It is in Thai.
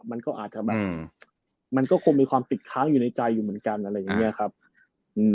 มันก็อาจจะแบบอืมมันก็คงมีความติดค้างอยู่ในใจอยู่เหมือนกันอะไรอย่างเงี้ยครับอืม